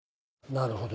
なるほど。